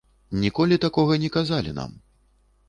Ніколі такога не казалі нам.